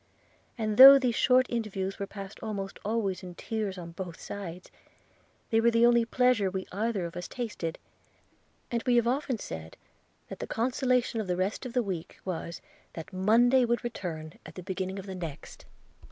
And though these short interviews were passed almost always in tears on both sides, they were the only pleasure we either of us tasted; and we have often said, that the consolation of the rest of the week was, that Monday would return at the beginning of the next!'